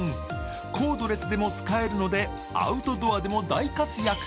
コードレスでも使えるので、アウトドアでも大活躍。